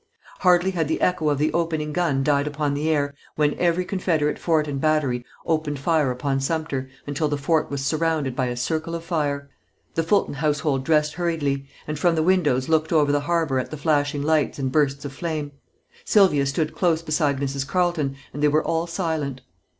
Hardly had the echo of the opening gun died upon the air when every Confederate fort and battery opened fire upon Sumter, until the fort was "surrounded by a circle of fire." The Fulton household dressed hurriedly and from the windows looked over the harbor at the flashing lights and bursts of flame. Sylvia stood close beside Mrs. Carleton, and they were all silent.